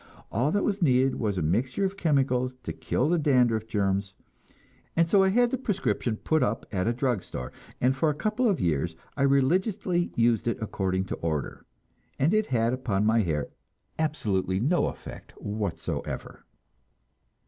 All that was needed was a mixture of chemicals to kill the dandruff germs; and so I had the prescription put up at a drug store, and for a couple of years I religiously used it according to order, and it had upon my hair absolutely no effect whatever.